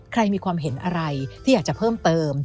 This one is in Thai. มีความเห็นอะไรที่อยากจะเพิ่มเติม